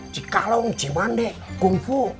cikalong cimandek kungfu